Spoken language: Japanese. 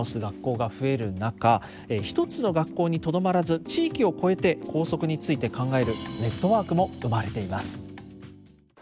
学校が増える中一つの学校にとどまらず地域を越えて校則について考えるネットワークも生まれています。